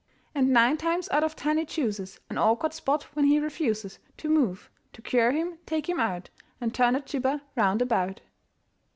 And nine times out of ten he chooses An awkward spot when he refuses To move. To cure him, take him out And turn the jibber round about.